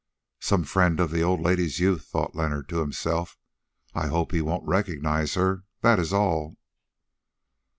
"Some friend of the old lady's youth," thought Leonard to himself. "I hope he won't recognise her, that is all."